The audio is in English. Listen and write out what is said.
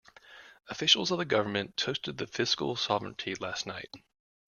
Officials of the government toasted the fiscal sovereignty last night.